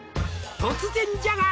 「突然じゃが